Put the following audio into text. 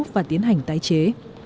và tiến hành tái chế